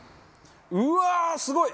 うわーすごい！